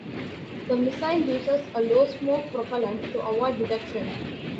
The missile uses a low-smoke propellant to avoid detection.